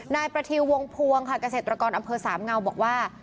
นายประทิววงพวงค่ะเกษตรกรอำเภอสามเงาบอกว่า